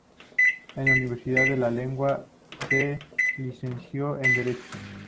En la Universidad de La Laguna se licenció en Derecho.